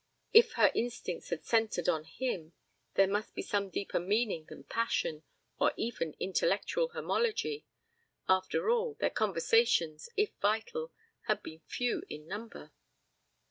... If her instincts had centred on him there must be some deeper meaning than passion or even intellectual homology. After all, their conversations, if vital, had been few in number.